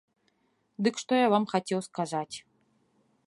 Дык што я вам хацеў сказаць.